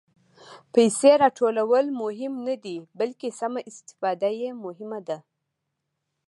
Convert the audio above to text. پېسې راټولول مهم نه دي، بلکې سمه استفاده یې مهمه ده.